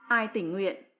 ai tỉnh nguyện